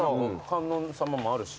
観音様もあるし。